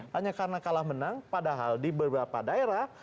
hanya karena kalah menang padahal di beberapa daerah